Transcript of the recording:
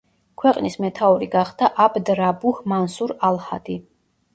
ქვეყნის მეთაური გახდა აბდ რაბუჰ მანსურ ალ-ჰადი.